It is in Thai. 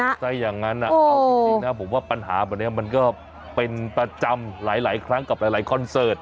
ถ้าอย่างนั้นเอาจริงนะผมว่าปัญหาแบบนี้มันก็เป็นประจำหลายครั้งกับหลายคอนเสิร์ต